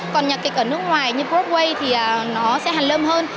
còn nhạc kịch ở nước ngoài như broadway thì nó sẽ hàn lơm hơn